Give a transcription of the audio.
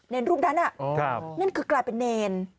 รูปนั้นนั่นคือกลายเป็นเนร